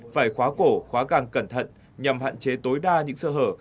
phải khóa cổ khóa càng cẩn thận nhằm hạn chế tối đa những sơ hở